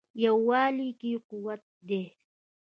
یووالي کې قوت دی.